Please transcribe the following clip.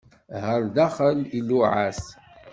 Ɣer daxel, iluɛa-t.